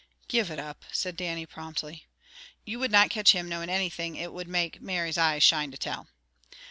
"Give it up," said Dannie promptly. You would not catch him knowing anything it would make Mary's eyes shine to tell.